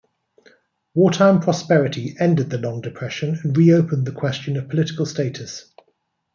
Wartime prosperity ended the long depression and reopened the question of political status.